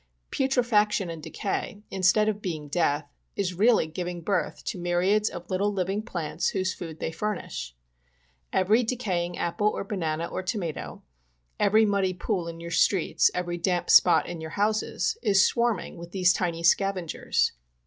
Putrefaction and decay, instead of being death, is really giving birth to myriads of little living plants, whose food they furnish. Every decay ing apple or banana or tomatoe, every muddy pool in your streets, every damp spot in your houses is swarming with these tiny scavengers.